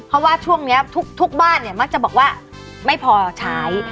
เพราะว่าช่วงนี้ทุกบ้านเนี่ยมักจะบอกว่าไม่พอใช้